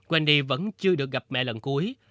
wendy vẫn chưa được gặp mẹ lần cuối